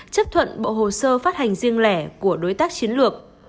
chấp thuận bộ hồ sơ phát hành riêng lẻ của đối tác chiến lược